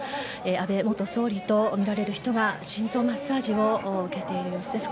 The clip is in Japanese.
安倍元総理とみられる人が心臓マッサージを受けている様子です。